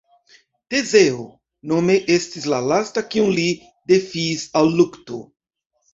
Tezeo nome estis la lasta kiun li defiis al lukto.